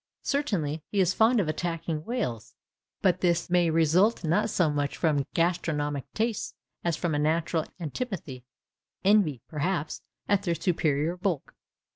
Certainly, he is fond of attacking whales, but this may result not so much from gastronomic tastes as from a natural antipathy—envy, perhaps, at their superior bulk.